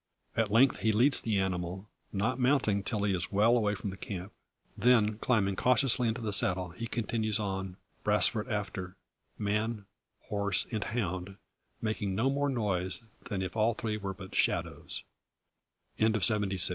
At length he leads the animal not mounting till he is well away from the camp. Then, climbing cautiously into the saddle, he continues on, Brasfort after; man, horse, and hound, making no more noise, than if all three were but shadows. CHAPTER SEVENTY SEVEN.